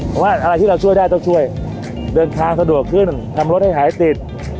เพราะว่าอะไรที่เราช่วยได้ต้องช่วยเดินทางสะดวกขึ้นทำรถให้หายติด